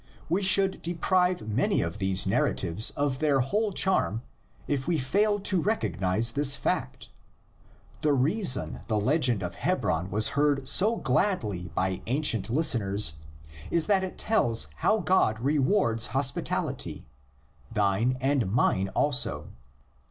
We should deprive many of these narratives of their whole charm if we failed to recognise this fact: the reason the legend of Hebron was heard so gladly by ancient listeners is that it tells how God rewards hospitality (thine and mine 110 THE LEGENDS OF GENESIS. also!)